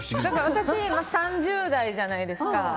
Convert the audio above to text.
私、３０代じゃないですか。